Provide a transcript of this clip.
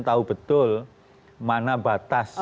tahu betul mana batas